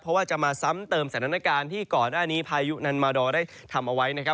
เพราะว่าจะมาซ้ำเติมสถานการณ์ที่ก่อนหน้านี้พายุนันมาดอร์ได้ทำเอาไว้นะครับ